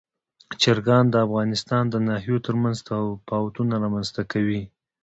چرګان د افغانستان د ناحیو ترمنځ تفاوتونه رامنځ ته کوي.